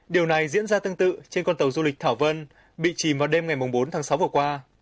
điều này diễn ra tương tự trên con tàu du lịch thảo vân bị chìm vào đêm ngày bốn tháng sáu vừa qua